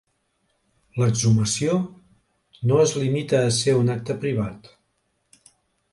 L'exhumació no es limita a ser un acte privat.